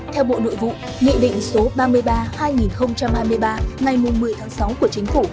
theo bộ nội vụ nghị định số ba mươi ba hai nghìn hai mươi ba ngày một mươi tháng sáu của chính phủ